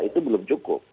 itu belum cukup